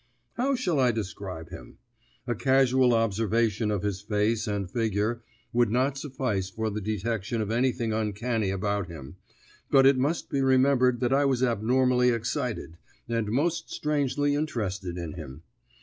How shall I describe him? A casual observation of his face and figure would not suffice for the detection of anything uncanny about him, but it must be remembered that I was abnormally excited, and most strangely interested in him.